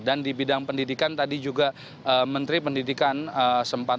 dan di bidang pendidikan tadi juga menteri pendidikan sempat